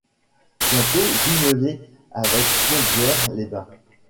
Bientôt jumelée avec Plombières les Bains.